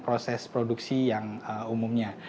proses produksi yang umumnya